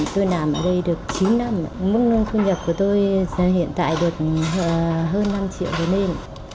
tôi làm ở đây được chín năm mức nâng thu nhập của tôi hiện tại được hơn năm triệu đồng nên